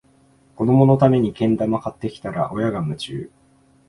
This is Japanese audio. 子どものためにけん玉買ってきたら、親が夢中